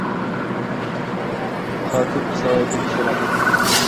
خاتىپ سەۋەبىنى سوراپتۇ.